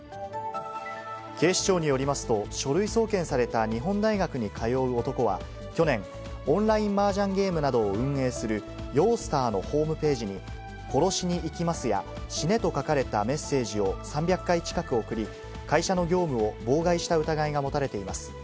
警視庁によりますと、書類送検された日本大学に通う男は、去年、オンラインマージャンゲームなどを運営するヨースターのホームページに、殺しに行きますや、死ねと書かれたメッセージを３００回近く送り、会社の業務を妨害した疑いが持たれています。